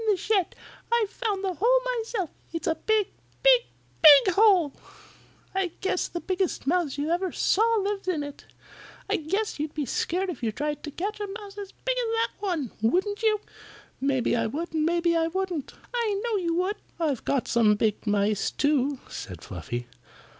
"In the shed. I found the hole myself. It's a big, big, BIG hole. I guess the biggest mouse you ever saw lives in it. I guess you'd be scared if you tried to catch a mouse as big as that one; wouldn't you?" "Maybe I would and maybe I wouldn't." "I know you would." "I've caught some big mice, too," said Fluffy.